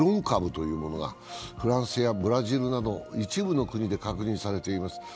株というものがフランスやブラジルなど一部の国で確認されています。